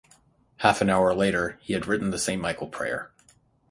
Half an hour later he had written the Saint Michael prayer.